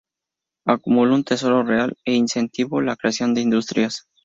Acumuló un tesoro real e incentivó la creación de industrias.